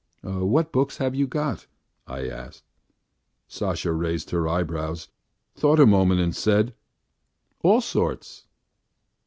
"What books have you got?" I asked. Sasha raised her eyebrows, thought a moment and said: "All sorts."